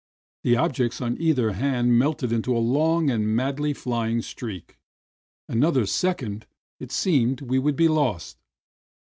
The objects on either hand melted into a long and madly flying streak. Another second, and it seemed we must be lost